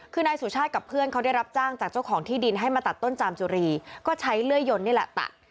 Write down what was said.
คือนายสุชาติกับเพื่อนเขาได้รับจ้างจากเจ้าของที่ดินให้มาตัดต้นจามจุรีก็ใช้เลื่อยยนนี่แหละตัด